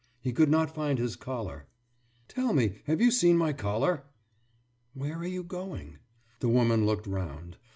He could not find his collar. »Tell me, have you seen my collar?« »Where are you going?« The woman looked round.